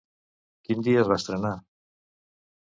Quin dia es va estrenar?